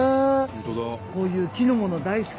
こういう木のもの大好き。